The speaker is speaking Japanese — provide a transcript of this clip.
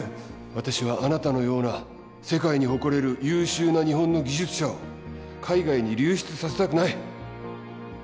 私はあなたのような世界に誇れる優秀な日本の技術者を海外に流出させたくない。